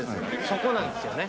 そこなんですよね。